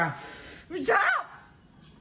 ไม่ชอบ